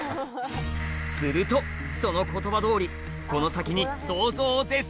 するとその言葉通りこの先にねぇ！